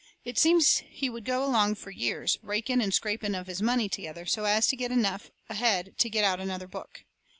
It seems he would go along fur years, raking and scraping of his money together, so as to get enough ahead to get out another book.